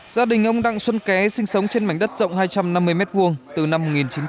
gia đình ông đặng xuân ké sinh sống trên mảnh đất rộng hai trăm năm mươi m hai từ năm một nghìn chín trăm bảy mươi